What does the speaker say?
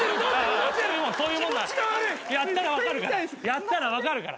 やったら分かるから。